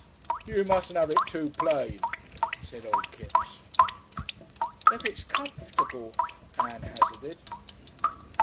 "You mustn't 'ave it too plain," said old Kipps. "If it's comfortable ," Ann hazarded.